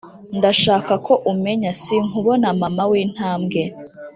ndashaka ko umenya sinkubona mama wintambwe,